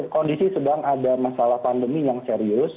kondisi sedang ada masalah pandemi yang serius